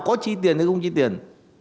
có chi tiền hay không chi tiền